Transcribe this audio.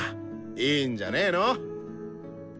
いいんじゃねの？